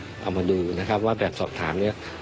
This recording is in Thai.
เอามาดูนะครับว่าแบบสอบถามเนี่ย